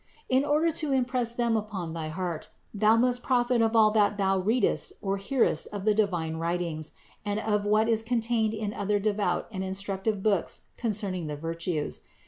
In order to im press them upon thy heart, thou must profit of all that thou readest or hearest of the divine Writings, and of what is contained in the other devout and instructive books concerning the virtues.